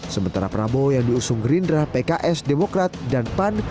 sementara prabowo yang diusung gerindra pks demokrat dan pan